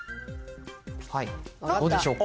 どうでしょうか。